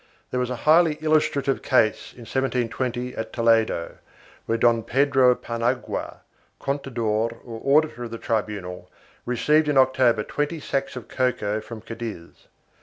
There was a highly illustrative case in 1720, at Toledo, where Don Pedro Paniagua, contador or auditor of the tribunal, received in October twenty sacks of cocoa from Cadiz.